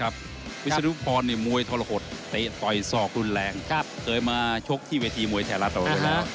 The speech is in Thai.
ครับวิศนุพรเนี่ยมวยทรหดเตะต่อยซอกรุนแรงครับเคยมาชกที่เวทีมวยแถลต่อแล้ว